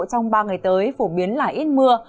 trong ba ngày tới phổ biến là ít mưa